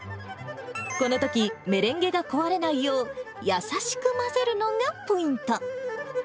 このとき、メレンゲが壊れないよう、優しく混ぜるのがポイント。